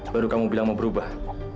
baru kamu bilang mau berubah